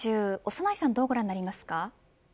長内さんはどうご覧になりますか。